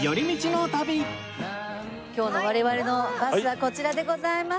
今日の我々のバスはこちらでございます。